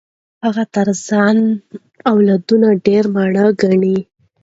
هغه تر ځان اولادونه ډېر ماړه ګڼي.